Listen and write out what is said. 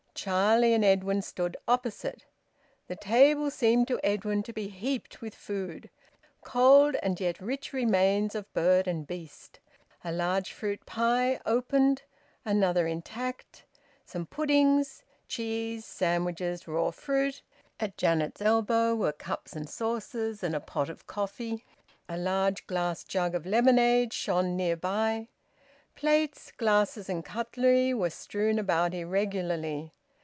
Charlie and Edwin stood opposite. The table seemed to Edwin to be heaped with food: cold and yet rich remains of bird and beast; a large fruit pie, opened; another intact; some puddings; cheese; sandwiches; raw fruit; at Janet's elbow were cups and saucers and a pot of coffee; a large glass jug of lemonade shone near by; plates, glasses, and cutlery were strewn about irregularly.